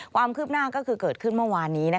ความคืบหน้าก็คือเกิดขึ้นเมื่อวานนี้